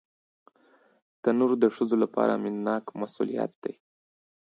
تنور د ښځو لپاره مینهناک مسؤلیت دی